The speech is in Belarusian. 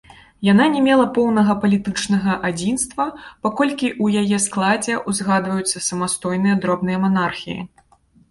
Яна не мела поўнага палітычнага адзінства, паколькі ў яе складзе ўзгадваюцца самастойныя дробныя манархіі.